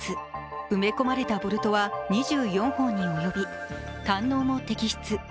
埋め込まれたボルトは２４本に及び胆のうも摘出。